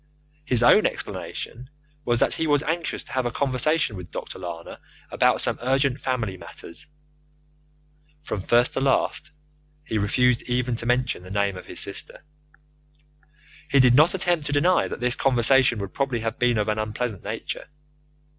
His own explanation was that he was anxious to have a conversation with Dr. Lana about some urgent family matters (from first to last he refused even to mention the name of his sister). He did not attempt to deny that this conversation would probably have been of an unpleasant nature.